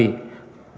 tidak bisa menanggapi